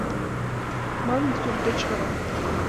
Маныт, йӱр деч вара